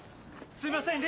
すいません。